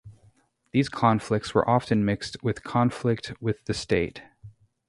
These conflicts were often mixed with conflict with the state.